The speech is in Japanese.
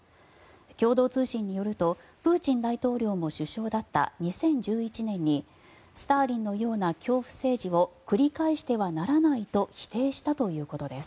共同通信によるとプーチン大統領も首相だった２０１１年にスターリンのような恐怖政治を繰り返してはならないと否定したということです。